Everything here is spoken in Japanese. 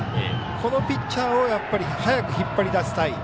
このピッチャーを早く引っ張り出したい。